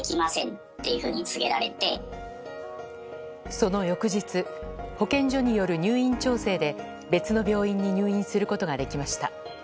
その翌日保健所による入院調整で別の病院に入院することができました。